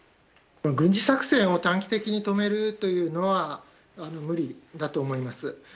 軍事作戦を短期的に止めるというのは無理だと思います。